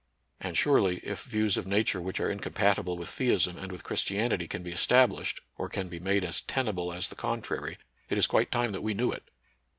And, surely, if views of Nature which are incompatible with theism and with Christi anity can be established, or can be made as tenable as the contrary, it is quite time that we knew it.